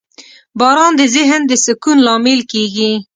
• باران د ذهن د سکون لامل کېږي.